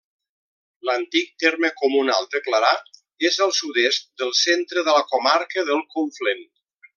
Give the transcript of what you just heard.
L'antic terme comunal de Clarà és al sud-est del centre de la comarca del Conflent.